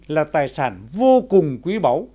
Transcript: là tài sản vô cùng quý báu